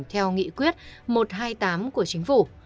theo nghị quyết một trăm hai mươi tám của chính phủ